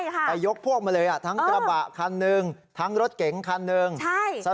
ไปยกพวกมาเลยทั้งกระบะคันหนึ่งทั้งรถเก๋งคันหนึ่งใช่